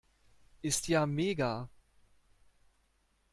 Ist ja mega!